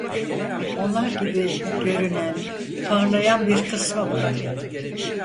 Onlar gibi, görünen, parlayan bir kısmı vardı.